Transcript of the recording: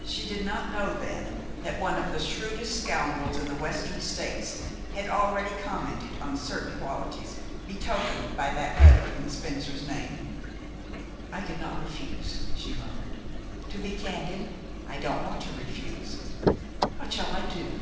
She did not know then that one of the shrewdest scoundrels in the Western States had already commented on certain qualities betokened by that letter in Spencer's name. "I cannot refuse," she murmured. "To be candid, I don't want to refuse. What shall I do?"